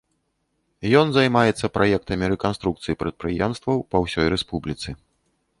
Ён займаецца праектамі рэканструкцыі прадпрыемстваў па ўсёй рэспубліцы.